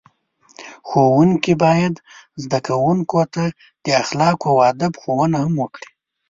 ښوونکي باید زده کوونکو ته د اخلاقو او ادب ښوونه هم وکړي.